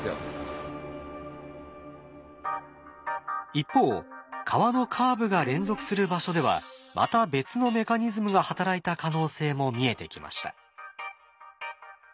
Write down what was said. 一方川のカーブが連続する場所ではまた別のメカニズムが働いた可能性も見えてきました。